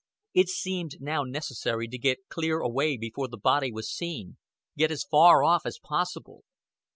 It seemed now necessary to get clear away before the body was seen get as far off as possible.